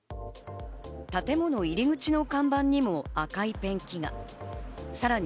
建物入り口の看板にも赤いペンキが。